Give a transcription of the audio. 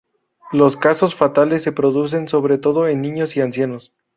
Los casos fatales se producen sobre todo en niños y ancianos.